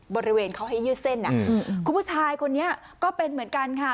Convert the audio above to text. บริเวณเขาให้ยืดเส้นคุณผู้ชายคนนี้ก็เป็นเหมือนกันค่ะ